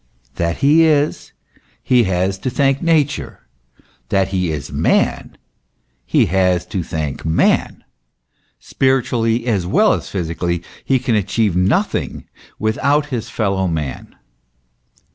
That he is, he has to thank Nature ; that he is man, he has to thank man ; spiritually as well as physically, he can achieve nothing without his fellow man.